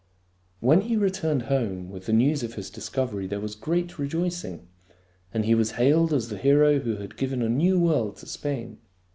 When he returned home with the news of his discovery there was great rejoicing, and he was hailed as the hero who had given a new world to Spain.